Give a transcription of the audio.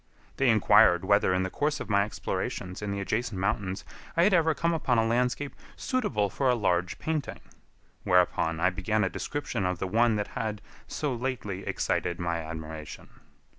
They inquired whether in the course of my explorations in the adjacent mountains I had ever come upon a landscape suitable for a large painting; whereupon I began a description of the one that had so lately excited my admiration.